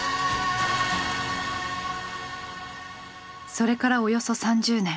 それからおよそ３０年。